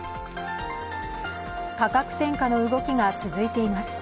価格転嫁の動きが続いています。